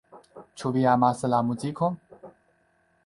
Ĉu vi amas la muzikon?